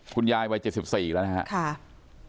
คุณยายวัยเฉียบสิบสี่แล้วนะครับ